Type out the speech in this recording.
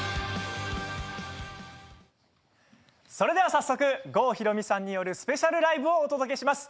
それでは早速郷ひろみさんによるスペシャルライブをお届けします。